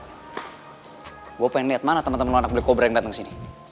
gua pengen liat mana temen temen lu anak black cobra yang dateng sini